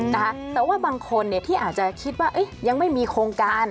แต่ว่าบางคนเนี่ยที่อาจจะคิดว่ายังไม่มีโครงการ